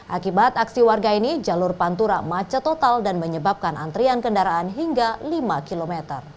akibat aksi warga ini jalur pantura macet total dan menyebabkan antrian kendaraan hingga lima km